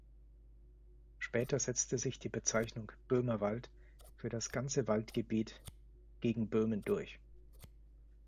Später setzte sich die Bezeichnung „Böhmerwald“ für das ganze Waldgebiet „gegen Böhmen“ durch.